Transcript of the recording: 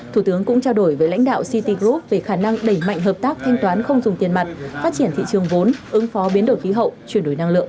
thủ tướng cũng trao đổi với lãnh đạo ct group về khả năng đẩy mạnh hợp tác thanh toán không dùng tiền mặt phát triển thị trường vốn ứng phó biến đổi khí hậu chuyển đổi năng lượng